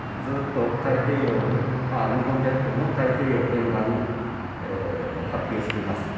ずっと太平洋日本列島の太平洋沿岸に発表しています